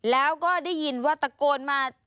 แล้วก็ได้ยินว่าตะโกนมา